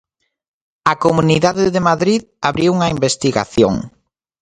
A Comunidade de Madrid abriu unha investigación.